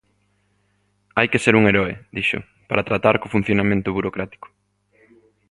Hai que ser un heroe, dixo, para tratar co funcionamento burocrático.